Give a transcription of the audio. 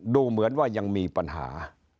ดูเหมือนว่ายังมีปัญหา